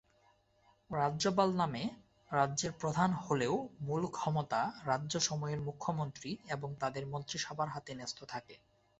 রাজ্যপাল নামে রাজ্যের প্রধান হলেও মূল ক্ষমতা রাজ্যসমূহের মুখ্যমন্ত্রী এবং তাদের মন্ত্রীসভার হাতে ন্যস্ত থাকে।